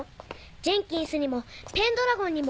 ジェンキンスにもペンドラゴンにも。